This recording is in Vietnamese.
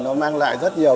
nó mang lại rất nhiều